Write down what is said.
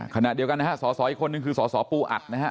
ขณะเดียวกันนะฮะสอสออีกคนนึงคือสสปูอัดนะฮะ